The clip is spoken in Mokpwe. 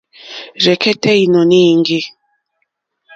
Rzɛ̀kɛ́tɛ́ ìnɔ̀ní íŋɡî.